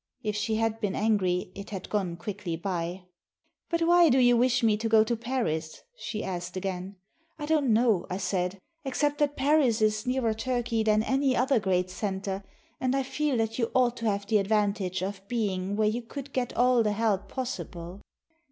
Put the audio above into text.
If she had been angry, it had gone quickly by. "But why do you wish me to go to Paris?" she asked again. v "I don't know," I said, "except that Paris is nearer Turkey than any other great center, and I feel that you ought to have the advantage of being where you could get all the help possible."